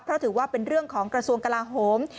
เพราะถือว่าเป็นเรื่องของกระทรวงกลาโหม